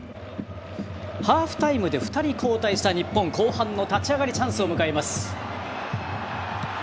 ハーフタイムで２人交代した日本、後半の立ち上がりチャンスを迎えます。